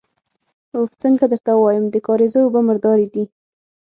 اوف! څنګه درته ووايم، د کارېزه اوبه مردارې دي.